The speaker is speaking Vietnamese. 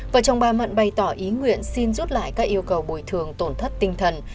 vợ chồng bà mận bày tỏ ý nguyện xin rút lại các yêu cầu bồi thường tổn thất tinh thần